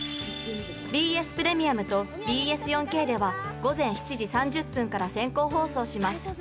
ＢＳプレミアムとＢＳ４Ｋでは午前７時３０分から先行放送します。